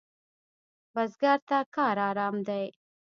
بزګر ته کار آرام دی